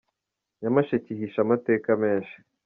Nyamasheke ihishe amateka menshi